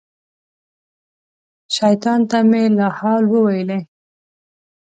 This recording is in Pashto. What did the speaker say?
شیطان ته مې لا حول وویلې.